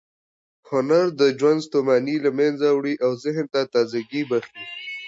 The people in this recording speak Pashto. هنر د ژوند ستوماني له منځه وړي او ذهن ته تازه ګۍ بښي.